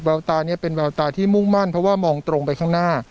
ตานี้เป็นแววตาที่มุ่งมั่นเพราะว่ามองตรงไปข้างหน้า